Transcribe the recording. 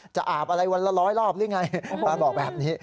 อาบอะไรวันละร้อยรอบหรือไงป้าบอกแบบนี้